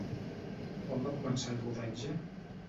Quan va començar el rodatge?